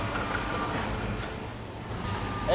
え